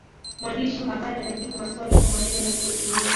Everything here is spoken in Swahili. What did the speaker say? mwandishi wa habari anajibu maswali kwa maneno yake mwenyewe